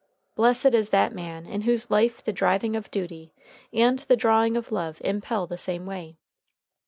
Blessed is that man in whose life the driving of duty and the drawing of love impel the same way!